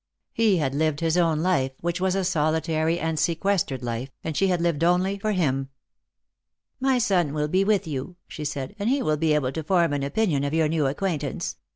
He had lived his own life, which was a solitary and sequestered life, and she had lived only for him. " My son will be with you," she said, " and he will be able to form an opinion of your new acquaintance.